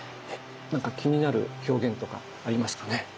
なんか気になる表現とかありますかね？